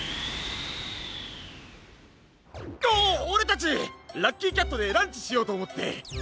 オオレたちラッキーキャットでランチしようとおもって。